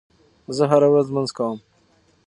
زه هره ورځ لمونځ کوم.